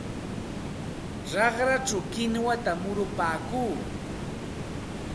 Raqrachaw kinwata murupaakuu.